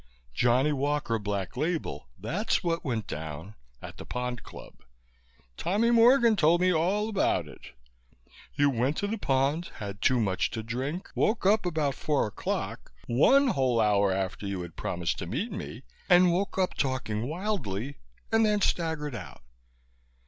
Johnny Walker, Black Label, that's what went down. At the Pond Club. Tommy Morgan told me all about it. You went to the Pond, had too much to drink, woke up about four o'clock one whole hour after you had promised to meet me and woke up talking wildly and then staggered out.